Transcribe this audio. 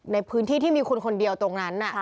ในพื้นที่ที่มีคนคนเดียวตรงนั้น